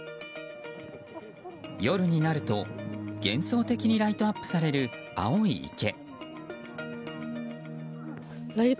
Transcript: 夜になると幻想的にライトアップされる青い池。